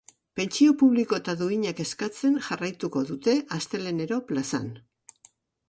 Pentsio publiko eta duinak eskatzen jarraituko dute astelehenero plazan.